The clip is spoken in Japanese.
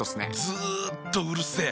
ずっとうるせえ。